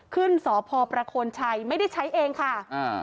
ขึ้นสพประโคนชัยไม่ได้ใช้เองค่ะอ่า